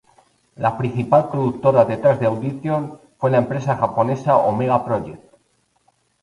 La principal productora detrás de Audition fue la empresa japonesa Omega Project.